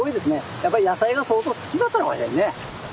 やっぱり野菜が相当好きだったのかもしれんね。